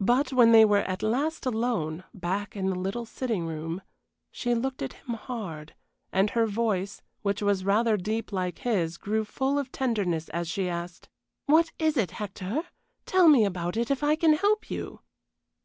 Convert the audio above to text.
But when they were at last alone, back in the little sitting room, she looked at him hard, and her voice, which was rather deep like his, grew full of tenderness as she asked: "What is it, Hector? Tell me about it if I can help you."